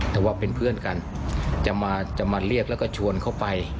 แต่ว่าเป็นเพื่อนกันจะมาเรียกแล้วก็ชวนเขาไป